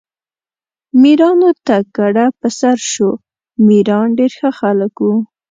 میرانو ته کډه په سر شو، میران ډېر ښه خلک وو.